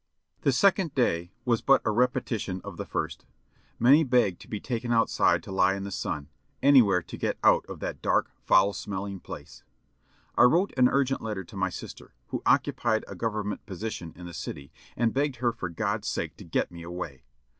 The second day was but a repetition of the first. Many begged to be taken outside to lie in the sun — anywhere to get out of that dark, foul smelling place. I wrote an urgent letter to my sister, who occupied a Government position in the city, and begged her for God's sake to get me away.